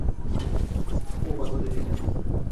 Gym, ও ভালো হতে চাইছে না।